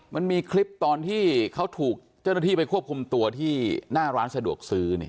มันมีคลิปตอนที่เขาถูกเจ้าหน้าที่ไปควบคุมตัวที่หน้าร้านสะดวกซื้อ